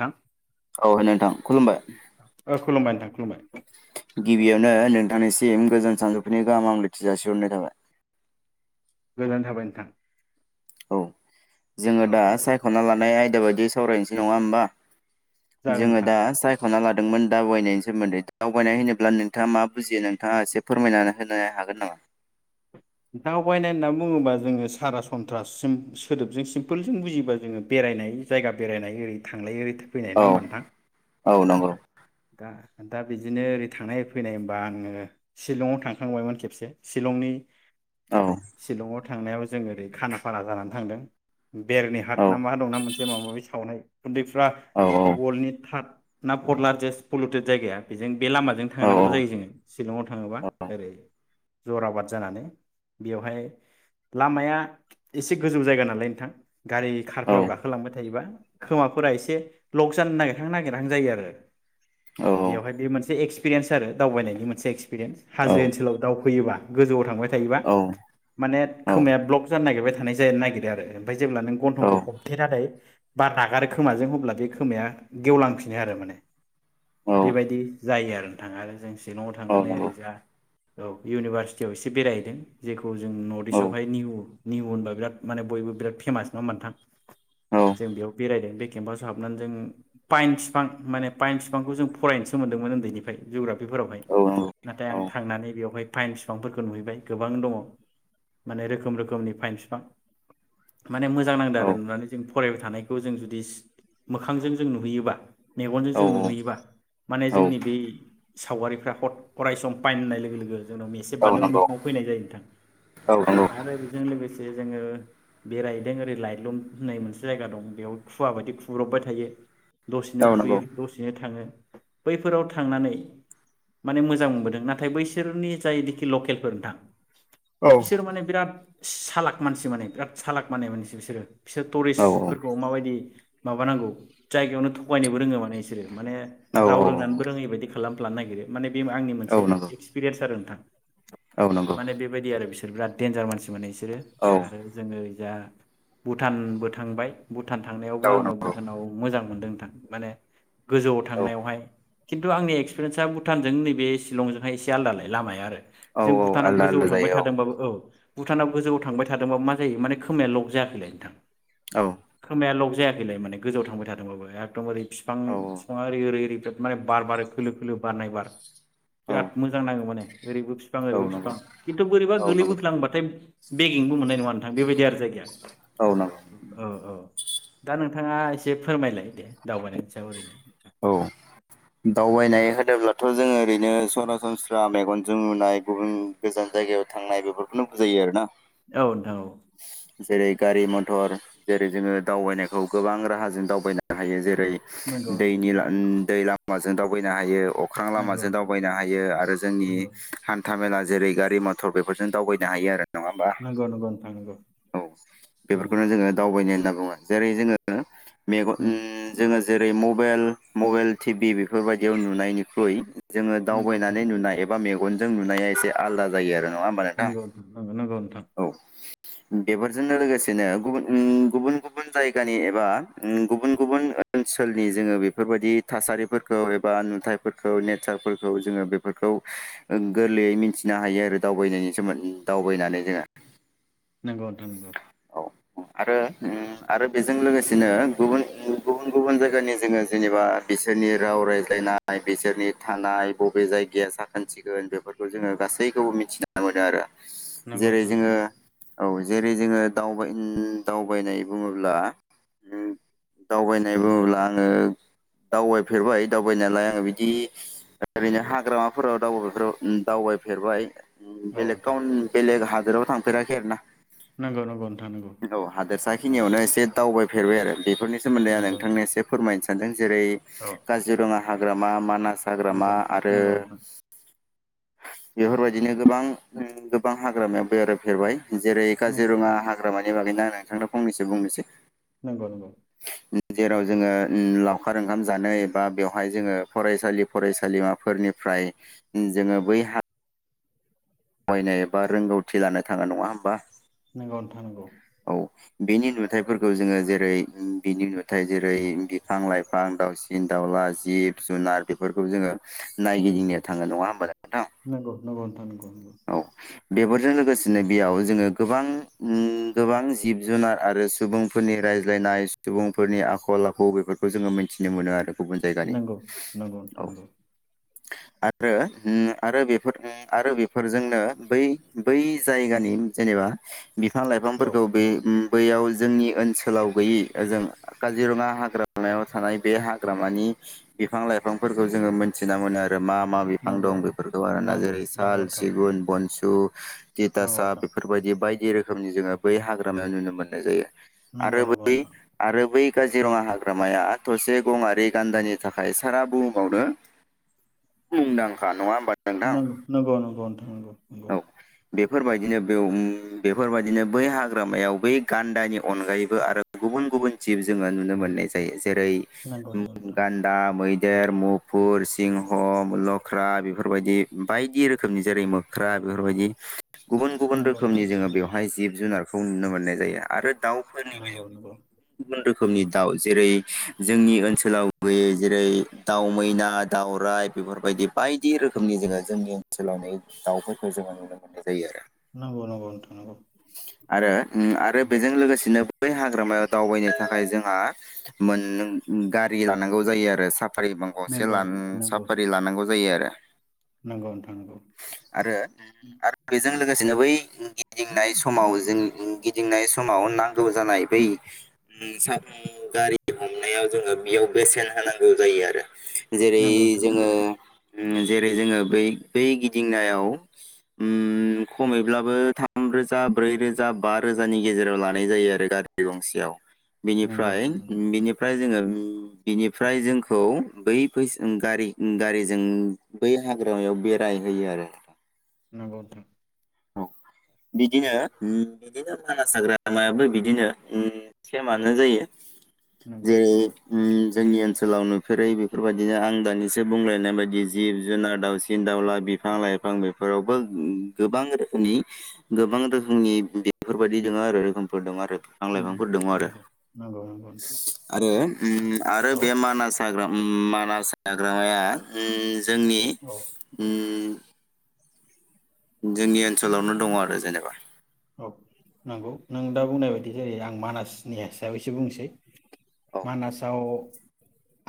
थां औ नोंथां खुलुमबाय खलुमबाय नोंथां खुलुमबाय सिम गोजोन सानजौफुनि गाहाम हामलायथि जासिहरनाय थाबाय गोजोननाय थाबाय नोंथां औ जोङो औ दा सायख'ना लानाय आय दा बायदि सावरायनोसै नङा होमबा जागोन जोङो नोंथां दा सायख'ना ला दोंमोन दावबायनायनि सोमोनदै दावबायनाय होनोब्ला नोंथाङा मा बुजियो नोंथाङा एसे फोरमायनानै होनो हागोन नामा दावबायनाय होनना बुङोबा जोङो सारा सन्त्रासिम सोदोबजों सिम्पोलजों बुजिबा जोङो बेरायनाय जायगा बेरायनाय ओरै थांलाय ओरै थां फैनाय नङा औ होमबा नोंथां औ दा दा बिदिनो ओरै थांनाय ओरै फैनाय होनबा आङो शिलंआव थांखांबायमोन खेबसे शिलंनि औ शिलंअथ थांनायाव जों ओरै खानाफारा जानानै थांदों औ बेरनिहाथ ना मा दंना मोनसे माबा माबि सावनाय उदैफ्रा औ वल्डनि थाद ना पर लारजेस्ट पलुटेड जायगाया बेजों बे लामाजों औ थांनांगौ औ जायो जोङो शिलंआव थाङोबा ओरै जराबाद जानानै बेवहाय लामाया एसे गोजौ जायगा नालाय नोंथां गारि कारफोराव गाखोलांबाय थायोबा खोमाफोरा एसे लक जानो नागिरहां नागिरहां जायो आरो औ बेवहाय औ बे मोनसे एक्स पिरियेन्स आरो दावबायनायनि मोनसे एक्स पिरेन्स औ औ हाजो ओनसोलाव दावखोयोबा गोजौआव थांबाय थायो माने खोमाया ब्लक जानो नागिरबाय थानाय जानो नागिरो ओमफ्राय जेब्ला नों गन्थंखौ हबथेनानै बार नागारो खोमाजों अब्ला बे खोमाया गेवलांफिनो आरो माने बेबायदि जायो आरो नोंथां आरो जों सिलङाव औ थांनानै नंगौ ओरैजा औ इउनिभारसिटियाव एसे बेरायहैदों जेखौ जों नर्थ इस्टावहाय निउ निउ होनबा बिराद माने बयबो बिराद फेमास नङा होम नोंथां जों बेयाव बेरायदों बे केम्पासो हाबनानै जों पाइन‌ बिफां माने पाइेन बिफांखौ जों फरायनोसो मोन्दोंमोन उन्दैनिफ्राय जुग्राफि फोरावहाय औ औ औ नंगौ औ नाथाय आं थांनानै बेवहाय फाइन बिफांफोरखौ नुहैबाय गोबां गोबां दङ माने रोखोम रोखोमनि फाइन बिफां माने मोजां नांदों आरो औ नुनानै जों फरायबाय थानायखौ जों जुदि मोखांजों जों नुहैयोबा मेगनजों औ जों औ नुहैयोबा माने औ जोंनि बै सावगारिफ्रा अरायसम पाइन होननाय लोगो लोगो जोंनाव मेसेब बानो नंगौ औ मोखाङाव फैनाय जायो नोंथां नंगौ आरो बेजों लोगोसे जोङो बेरायदों ओरै लाइलुम होननाय मोनसे जायगा दं बेयाव खुवा बायदि खुब्रबबाय थायो दसेनो औ नंगौ खुयो दसेनो थाङो बैफोराव थांनानै माने मोजां मोनबोदों नाथाय बैसोरनि जायनोखि लकेलफोर नोंथां औ बिसोर माने बिराद सालाक मानसि माने बिराद सालाक माने मानसि बिसोरो बिसोर औ टुरिस्टफोरखौ माबायदि माबानांगौ जायगायावनो थगायनोबो रोङो माने बिसोरो माने औ राव रोंनानैबो रोङैबायदि खालामफ्लानो नागिरो माने बे आंनि औ मोनसे नंगौ एक्सपिरियेन्स आरो नोंथां औ नंगौ माने बेबायदि आरो बिसोर बिराद देन्जार मानसि मिने बिसोर औ बिसोरो आरो जोङोओ जा भुटानबो थांबाय भुटान भुटान थांनायावबो आङो नंगौ भुटानाव मोजां मोनदों नोंथा माने गोजौ आव औ थांनायावहाय किनतु आंनि इक्सपिरियेनसा भुतान जों नैबे सिलंजोंहाय एसे आलादा लै लामाया आरो औ औ भुटानाव आलदा गोजौआव आलदा थांबाय जायो थादोंबाबो औ भुटानाव गोजौआव थांबाय थादोंबा मा जायो माने खोमाया लब जायाखैलाय नोंथां औ खोमाया लग जायाखैलाय माने गोजौआव थांबाय थादोंबाबो एखदमबारै औ बिफां एरै एरै माने बार बारो खोलो खोलो बारनाय बार औ बिराद मोजां नाङो माने एरैबो बिफां औ जेरैबो नंगौ बिफां खिन्थु बोरैबा औ नंगौ गोगलैबोखै्लांबाथाय बेगिंबो मोननाय नङा नोंथां बेबायदि आरो जायगाया औ नंगौ औ औ दा नोंथाङा एसे फोरमायलाय दे दावबायनायनि सायाव ओरैनो दानबायनाय होदोब्लाथ' जोङो ओरैनो सरासनस्रा मेगनजों नुनाय गुबुन गोजान जायगायाव थांनाय बेफोरखौनो बुजायो आरो ना। औ नोंथां औ जेरै गारि मथर जेरै जोङो दावबायनायखौ गोबां राहाजों दावबायनो हायो जेरै- नंगौ ओमफ्राय दैनि दै हाजों दावबायनो हायो अख्रां नंगौ लामाजों नोंथां दावबायनो हायो आरो जोंनि हान्था मेला जेरै गारि मथर बे बेजों दावबायनो हायो आरो नङा होमबा नंगौ नोंथां औ नंगौ बेफोरखौनो जोङो दावबायनो होनना बुङो जेरै जोङो मेगन जोङो जेरै मबाइ मबाइल टिभि बेफोरबायदियाव नुनायनिख्रुइ जोङो नंगौ दावबायनानै नुनाय एबा मेगं मेगनजों नुनाया एसे आलदा जायो आरो नङा होमबा नोंथां नंगौ नोंथां औ बेफोरजोंनो लोगोसेनो गुबुन गुबुन गुबुन जायगानि एबा गुबुन गुबुन ओनसोलनि नि जोङो बेफोरबायदि थासारिफोरखौ एबा नुथाइफोरखौ नेटचारफोरखौ जोङो बेफोरखौ गोरलैयै मिथिनो हायो आरो दावबायनायनि सोमोन्दै दावबायनानै जोङो नंगौ नोंथां नंगौ औ आरो आरो बेजों लोगोसेनो गुबुन गुबुन गुबुन जाय जायगानि जोङो जेनेबा बिसोरनि राव रायज्लायनाय बिसोरनि थानाय बबे जायगाया साखोन सिगोन बेफोरखौ जोङो गासैखौबो मिथिना मोनो आरो जेरै जोङो औ जेरै जोङो दावबायनाय बुङोब्ला दावबायनाय बुङोब्ला आङो दावबायफेरबाय दावबायनायालाय आङो बिदि ओरैनो हाग्रामाफोराव दाव दावबायफेरबाय बेलेकाव बेलेग हा राव थांफेराखै आरो ना औ हादोरसा खिनियावनो एसे दावबाय फेरबाय आरो बेफोरनि सोमोनदै आं नोंथांनो इसे [unintelligible] जेरै काजिरङा हाग्रामा माना हाग्रामा आरो नंगौ नोंथां नंगौ नोंथां नंगौ नोंथां नंगौ औ नोंथां नंगौ नोंथां बेफोरबायदिनो गोबां गोबां हाग्रामायाव बेरायफेरबाय जेरै नंगौ औ नंगौ नोंथां औ नंगौ काजिरङा नोंथां नंगौ नोंथां हाग्रामानि बागैना नोंथांनो फंनैसो बुंनोसै नंगौ नंगौ [unintelligible] खार ओंखाम जानो एबा बेवहाय जोङो फरायसालि फरायसालिमाफोरनिफ्राय जोङो बै हा यनो एबा रोंगौथि लानो थाङो नङा होमबा नंगौ नोंथां नंगौ बेनि नुथायफोरखौ जोङो जेरै बिनि नुथाइ जेरै बिफां लाइफां दावसिन दाउला जिब जुनार बेफोरखौ जोङो नायगिदिंनो थाङो नङा होमबा नों नंगौ नंगौ नोंथां नंगौ औ बेफोरजों लोगोसेनो बेयाव जोङो गोबां गोबां जिब जुनार आरो सुबुंफोरनि रायज्लायनाय सुबुंफोरनि आखल आखु बेफोरखौ जोङो मिथिनो मोनो आरो गुबुन जायगानि नंगौ नंगौ औ नोंथां नंगौ आरो आरो बेफोर आरो बेफोरजोंनो बै बै जायगानि जेनेबा बिफां औ लाइफांफोरखौ बे बैयाव जोंनि ओनसोलाव गैयै ओजों काजिरङा हाग्रामायाव थानाय बे हाग्रामानि बिफां लाइफांफोरखौ जोङो मोनथिना मोनो आरो रो मा मा बिफां नंगौ दं बेफोरखौ आरोना जेरै नंगौ साल सिगुन बनस दु थिथासा नंगौ बेफोरबायदि बाय जि रोखोमनि जोङो बै हाग्रामायाव नुनो मोननाय जायो आरो बै नोंथां आरो बै काजिरङा हाग्रामाया थसे गंआरि गान्दानि थाखाय सारा बुहुमावनो मुंदांखा नङा नोंथां नों नंगौ नं गौ नोंथां नंगौ नंगौ औ बेफोरबायदिनो बेव उम बेफोरबायदिनो बै हाग्रामायाव बै गान्दानि अनगायैबो आरो गुबुन गुबुन जिब जोङो नुनो मोननाय जायो जेरै नंगौ उम नोंथां गान्दा मै देर मुफुर सिंह लख्रा बेफोरबायदि बायदि रोखोमनि जेरै मो ख्रा बेफोरबादि गुबुन गुबुन नंगौ रोखोमनि जोङो बेवहाय जिब जुनारखौ नुनो मोननाय जायो आरो दाउफोरनि नंगौ बेलायाव [unintelligible] खोमनि दाउ जेरै जोंनि ओनसोलाव गैयै जेरै दाउ मैना दाउराइ बेफोरबायदि बायदि रोखोमनि जोङो जोंनि ओनसोलाव नुयै दाउफोरखौ जोङो नुनो मोनदो जायो नंगौ नोंथां नंगौ आरो आरो उम आरो बेजों लोगोसेनो बेै हाग्रामायाव दावबायनो थाखाय जोंहा मोन नों गारि लानांगौ जायो आरो सा फारि मां ग से नंगौ लान नंगौ साफारि लानांगौ जायो आरो नंगौ नोंथां नंगौ आरो आरो बेजों लोगोसेनो बै गिदिंनाय समाव जों गिदिंनाय समाव नांगौ जानाय बै सा गारि हमनायाव जोङो बेयाव बेसेन होनांगौ जायो आरो जेरै नंगौ नंगौ नोंथां नंगौ नोंथां नंगौ नोंथां जोङो उम जेरै जोङो बै बै गि दिंनायाव उम खमैब्लाबो थाम रोजा ब्रै रोजा बा रोजानि गेजेराव लानाय जायो आरो गारि गंसेयाव नंगौ बिनिफ्राय बिनिफ्राय जोङो बिनिफ्राय जोंखौ बै फैयस उम गारि उम गारिजों बै हाग्रायाव बेराय जायो आरो नोंथां नंगौ नोंथां औ बिदिनो बिदिनो मानास हाग्रामायाबो बिदिनो औ सेमानो जायो नंगौ जेरै जोंनि ओनसोलाव नुफेरै बेफोरबायदिनो आं दानिसो बुंलायनाय बायदि जिब जुनार दाावसिन दाउला बिफां लाइफां बेफोरावबो गोबां नि गोबां रोखोमनि बेफोरबायादि दङ' आरो रोखोमफोर दं आरो बिफां लाइफांफोर दङ आरो नंगौ नंगौ नंगौ नोंथां आरो आरो औ बे मानास हाग्रा उम मानास हाग्रामाया ओम जोंनि औ उम जोंनि ओनसोलावनो दङ आरो जेनेबा औ नंगौ नों दा बुंनाय बायदि जेरै आं मानासनि हिसाबैसो बुंसै औ मानासाव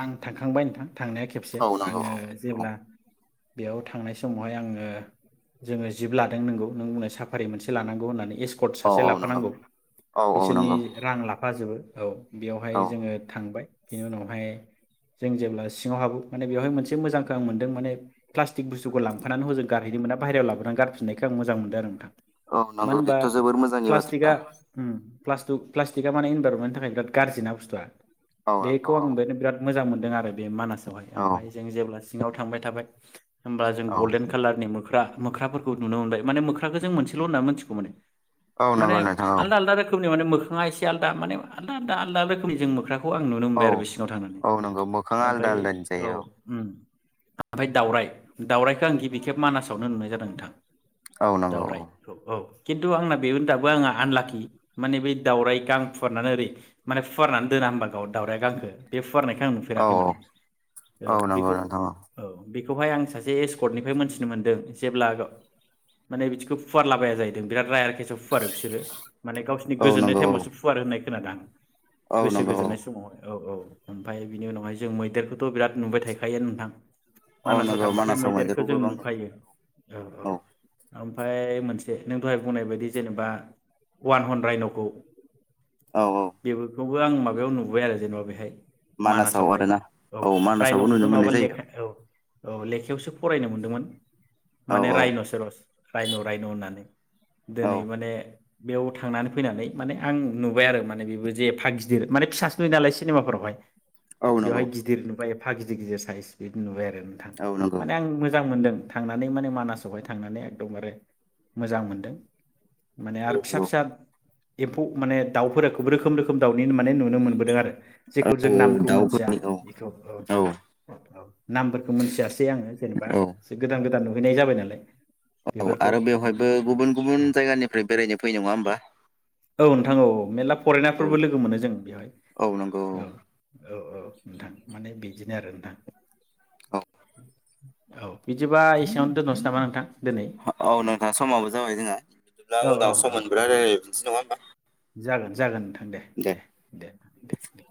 आं थांखांबाय नोंथां थांनाया खेबसे औ नंगौ आङो औ जेब्ला बेयाव थांनाय समावहाय आङो जोङो जिब लादों नोंगौ नों बुंनाय साफारि मोनसे लानां गौ होननानै एस कट औ सासे औ नंगौ लाफानांगौ औ औ बिसोरनि नंगौ रां लाफाजोबो औ बेयावहाय औ जोङो थांबाय बेनि उनावहाय जों जेब्ला सिङाव हाबो माने बेवहाय मोनसे मोजांखौ आं मोनदों माने प्लास्टिक बुस्थुखौ लांफानानानै हजों गारहैदों मोना बाहेरायाव लाबोनानै गारफिननायखौ आं मोजां मोनदों आरो नोंथां औ नंगौ मानो होनबा बेथ' जोबोर मोजांनि बाथ्रा प्लास्टुक प्लास्टिका माने इनभारनमेन्टनि थाखाय बिराद गाज्रिना बुस्थुआ औ नंगौ बेखौ औ आं बेनो बिराद मोजां मो नदों आरो बे मानास आवहाय ओमफ्राय औ जों जेब्ला सिङाव थांबाय थाबाय होमबा जों औ गल्डेन कालारनि मो ख्रा मोख्राफोरखौ नुनो मोनबाय माने मोखखौ जों मोनसेल' होनना मोनथि मोनो औ माने नंगौ नोंथां आलदा आलदा रोखोमनि माने मो नङा एसे आलदा माने आलदा आलदा आलदा रोखोमनि जों मोख्रा खौ आं नुनो औ मोनबाय आरो बे सिङाव थांनानै औ नंगौ मोखाङा आलदा ओमफ्राय आलदानि औ जायो उम ओमफ्राय दावराय दाउराइखौ आं गिबि खेब मानासावनो नुनाय जादों नोंथां औ नंगौ दावराय औ औ खिन्थु आंना बे दाबो आंहा आनलाकि माने बै दाउराया गां फुवारनानै ओरै माने फुवारनानै दोना होनबा गाव दाउराया गांखौ बे फुवारनायखौ आं औ नुफेराखै माने औ बेखौ औ बेखौहाय आं सासे एसकडनिफ्राय मोनथिनो मोनदों जेब्ला माने बिदिखौ फुवारलाबाया जाहै बिराद राय आरो माखस फुवारो बिसोर माने गावसिनि औ गोजोननाय नंगौ टाइमावसो फुवारो होननाय खोनादां औ गोसो नंगौ गोजोननाय समावहाय औ औ ओमफ्राय बिनि उनावहाय जों मैदेरखौथ' बिराद नुबाय थखायो नोंथां औ मानासाव नंगौ थांबाथाय मानासाव मैदेरखौ जों गोबां नुनो नुखायो मोनो औ औ ओमफ्राय मोनसे नों दहाय बुंनाय बायदि जेनेबा वान हन राइन'खौ औ औ बेबोखौ खौ आं माबायाव नुबाय आरो जेनेबा बेहाय मानासाव मानासावहाय आरोना औ मानासावबो रायन'खौथ' नुनो नङाबा मोननाय जायो लेखा औ औ लेखायावसो फरायनो मोनदोंमोन औ माने औ रायन' स रस रायन' रायन' होननानै औ दिनै माने बेयाव थांनानै फैनानै माने आं नुबाय आरो माने बेबो जे एफा गिदिर माने फिसासो नुयो नालाय सिनेमाफोरावहाय औ बेवहाय नंगौ गिदिर नुबाय एफा गिदिर गिदिर साइज बिदि नुबाय आरो नोंथां औ नंगौ माने आं मोजां मोनदों थांनानै माने मानासावहाय थांनानै एकदमबारे मोजां मोनदों माने औ आरो फिसा फिसा एम्फौ माने दाउफोराफोरखौ रोखोम रोखोम दाउनि माने नुनो मोनबोदों आरो जेखौ औ औ जों नामखौ मोनथिया दाउफोरनि बेखौ औ औ नामफोरखौ मोनथियासै आङो जेनेबा औ गोदान गोदान हैैनाय जाबाय नालाय औ बेफोरखौ आरो बेवहायबो गुबुन गुबुन औ जायगानिफ्राय बेरायनो फैयो नङा होमबा औ नोंथां औ मेरला औ फरेनारफोरबो लोगो मोनो जों बेवहाय औ नंगौ औ औ औ नोंथां माने बिदिनो आरो नोंथां औ औ बिदिबा एसेयावनो दोनथनोसै नामा नोंथां दिनै? औ नोंथां समाबो जाबाय जोङा बिदिब्ला औ औ उनाव सम औ मोनबा रायलायनोसै नङा होमबा जागोन जागोन नोंथा दे दे दे दे दे